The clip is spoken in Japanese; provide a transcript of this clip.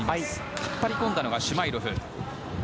引っ張りこんだのはシュマイロフ。